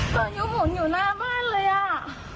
พายุหมุนอยู่หน้าบ้านเลยอ่ะ